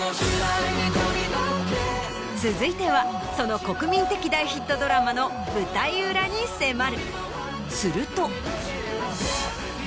続いてはその国民的大ヒットドラマの舞台裏に迫る。